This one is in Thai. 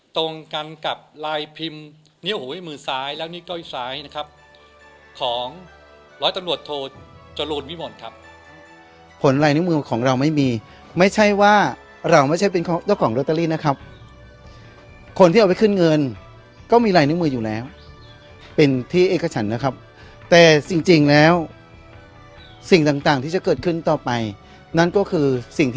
พบลายนิ้วมือแฝงซึ่งมีรายละเอียดแบ่ง